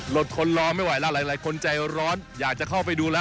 รถคนรอไม่ไหวหล่ะหลายคนใจร้อนอยากจะเข้าไปดูนะ